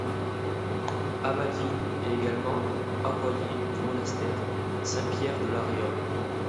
Amalvin est également avoyer du monastère Saint-Pierre de la Réole.